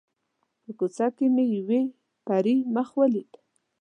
په کوڅه کې مې یوې پري مخې ولیده.